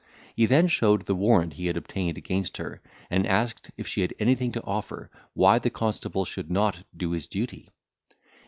He then showed the warrant he had obtained against her, and asked if she had anything to offer why the constable should not do his duty?